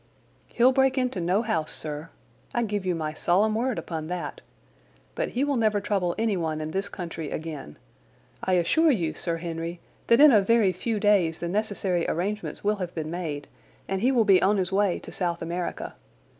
"He'll break into no house, sir. I give you my solemn word upon that. But he will never trouble anyone in this country again. I assure you, Sir Henry, that in a very few days the necessary arrangements will have been made and he will be on his way to South America.